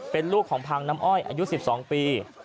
เป็นลูกของพังน้ำอ้อยอายุ๑๒ปี